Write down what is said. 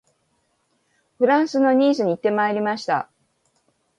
フランスのニースに行ってまいりました